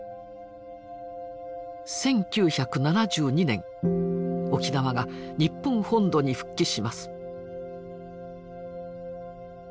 １９７２年沖縄が日本本土に復帰します。